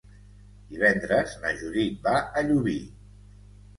Divendres na Judit va a Llubí.